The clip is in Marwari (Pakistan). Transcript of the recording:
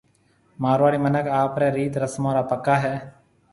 مارواڙي مِنک آپرَي ريِت رسمون را پڪا ھيَََ